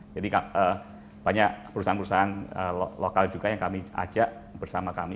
jadi banyak perusahaan perusahaan lokal juga yang kami ajak bersama kami